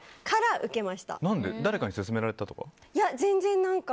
誰かに勧められたとか？